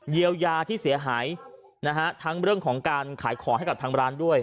เยียวยาที่เสียหายนะฮะทั้งเรื่องของการขายของให้กับทางร้านด้วย